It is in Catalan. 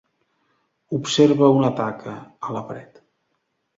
Observa una taca a la paret.